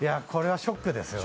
ショックですよね。